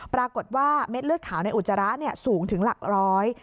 ปรากฏว่าเม็ดเลือดขาวในอุจจาระสูงถึงหลักร้อย